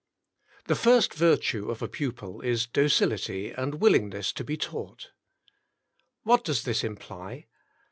The first virtue of a pupil is docility and willing ness to be taught. What does this imply?